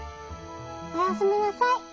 おやすみなさい。